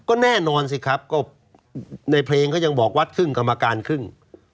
ก็แน่นอนสิครับก็ในเพลงก็ยังบอกวัดครึ่งกรรมการครึ่ง